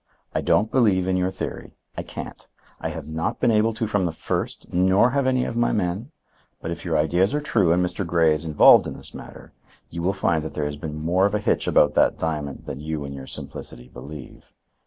I don't believe in your theory; I can't. I have not been able to from the first, nor have any of my men; but if your ideas are true and Mr. Grey is involved in this matter, you will find that there has been more of a hitch about that diamond than you, in your simplicity, believe.